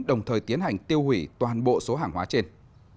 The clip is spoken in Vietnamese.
đồng thời tiến hành tiêu hủy toàn bộ số hàng hóa trên